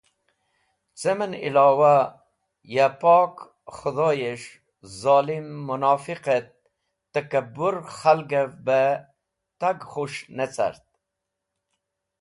Cem en illowa, Ya Pok Khũdhoyes̃h zolim, munofiq et takabũr khalgev be tag khus̃h ne cart.